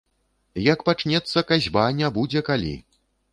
Як пачнецца касьба, не будзе калі.